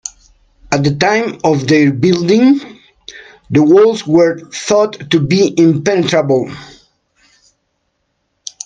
At the time of their building, the walls were thought to be impenetrable.